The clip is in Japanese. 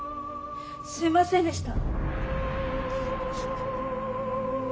すいませんでした。